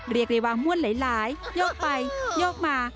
เรียกเรียวางมวลหลายยกไปยกมา